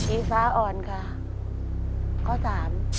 อีฟ้าอ่อนค่ะ